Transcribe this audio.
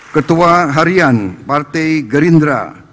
ketua harian partai gerindra